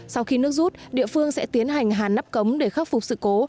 sau khi nước rút địa phương sẽ tiến hành hàn nắp cống để khắc phục sự cố